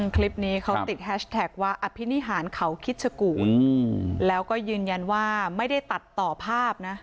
คลิปนี้เขาติดแฮชแท็กว่าอภินิหารเขาคิดชะกูดแล้วก็ยืนยันว่าไม่ได้ตัดต่อภาพนะ